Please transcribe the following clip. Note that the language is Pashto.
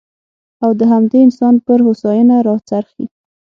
او د همدې انسان پر هوساینه راڅرخي.